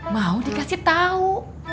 mau dikasih tau